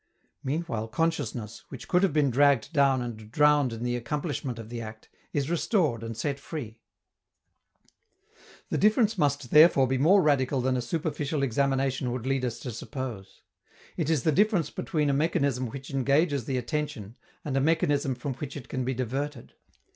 Meanwhile consciousness, which would have been dragged down and drowned in the accomplishment of the act, is restored and set free. The difference must therefore be more radical than a superficial examination would lead us to suppose. It is the difference between a mechanism which engages the attention and a mechanism from which it can be diverted.